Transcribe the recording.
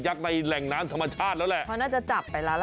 ลุกหัวมานี่